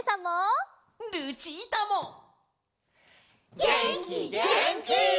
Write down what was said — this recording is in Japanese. げんきげんき！